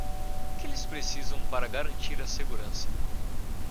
O que eles precisam para garantir a segurança?